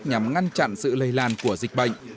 nhằm ngăn chặn sự lây lan của dịch bệnh